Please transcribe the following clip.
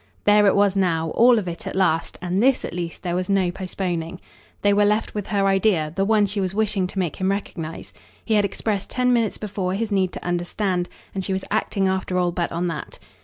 There it was now, all of it at last, and this at least there was no postponing. They were left with her idea the one she was wishing to make him recognise. He had expressed ten minutes before his need to understand, and she was acting after all but on that.